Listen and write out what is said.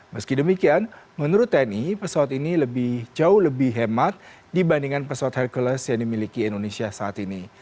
meski demikian menurut tni pesawat ini lebih jauh lebih hemat dibandingkan pesawat hercules yang dimiliki indonesia saat ini